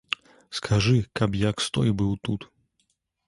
Скажы, каб як стой быў тут.